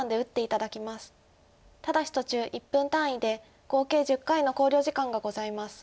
ただし途中１分単位で合計１０回の考慮時間がございます。